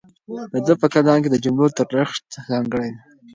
د ده په کلام کې د جملو تړښت ځانګړی دی.